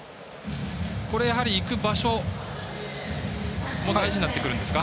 行く場所も大事になってくるんですか？